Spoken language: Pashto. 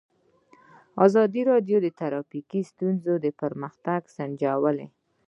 ازادي راډیو د ټرافیکي ستونزې پرمختګ سنجولی.